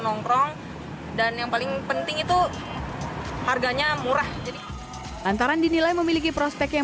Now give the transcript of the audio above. nongkrong dan yang paling penting itu harganya murah jadi lantaran dinilai memiliki prospek yang